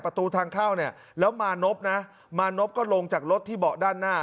ประตูทางเข้าเนี่ยแล้วมานพนะมานพก็ลงจากรถที่เบาะด้านหน้า